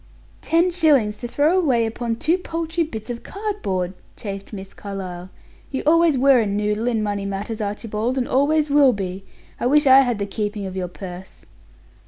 "Ten shillings to throw away upon two paltry bits of cardboard!" chafed Miss Carlyle. "You always were a noodle in money matters, Archibald, and always will be. I wish I had the keeping of your purse!"